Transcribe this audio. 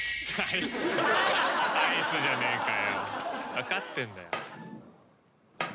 分かってんだよ。